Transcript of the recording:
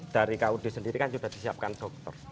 dari kud sendiri kan sudah disiapkan dokter